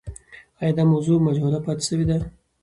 آیا دا موضوع مجهوله پاتې سوې ده؟